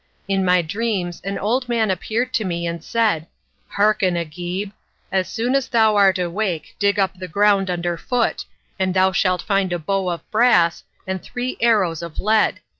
In my dreams an old man appeared to me and said, "Hearken, Agib! As soon as thou art awake dig up the ground underfoot, and thou shalt find a bow of brass and three arrows of lead.